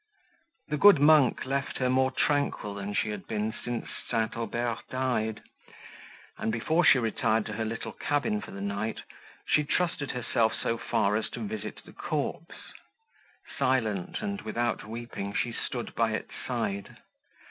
The good monk left her more tranquil than she had been since St. Aubert died; and, before she retired to her little cabin for the night, she trusted herself so far as to visit the corpse. Silent, and without weeping, she stood by its side.